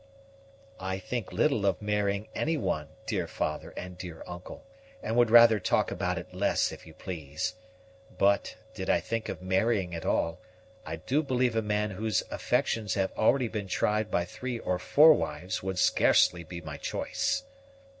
"I think little of marrying any one, dear father and dear uncle, and would rather talk about it less, if you please. But, did I think of marrying at all, I do believe a man whose affections have already been tried by three or four wives would scarcely be my choice."